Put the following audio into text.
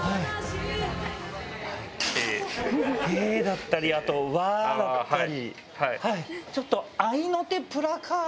「へぇ」だったりあと「ワ」だったり。